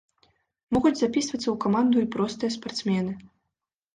Могуць запісвацца ў каманду і простыя спартсмены.